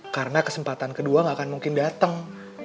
karena kesempatan kedua gak akan mungkin dateng